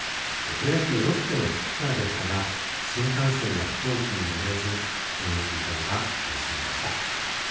プロ野球、ロッテのピッチャーでしたが新幹線や、飛行機に乗れず現役時代は苦しみました。